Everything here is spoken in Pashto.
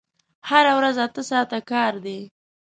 هره ورځ اته ساعته کار دی!